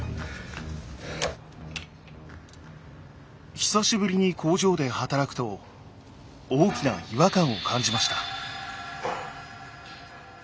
久しぶりに工場で働くと大きな違和感を感じました。